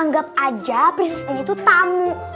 anggap aja pris ini tuh tamu